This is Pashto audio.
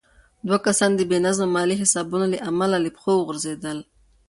دوه کسان د بې نظمه مالي حسابونو له امله له پښو وغورځېدل.